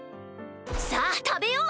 さぁ食べよう！